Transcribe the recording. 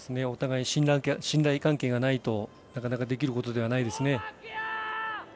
お互い、信頼関係がないとなかなかできることではないです。